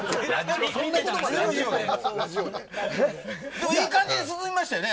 でもいい感じに進みましたよね